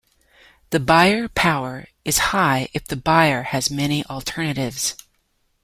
The buyer power is high if the buyer has many alternatives.